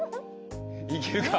いけるか？